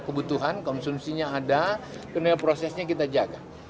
ada kebutuhan konsumsinya ada dan prosesnya kita jaga